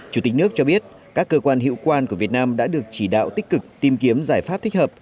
chủ tịch nước cho biết các cơ quan hiệu quan của việt nam đã được chỉ đạo tích cực tìm kiếm giải pháp thích hợp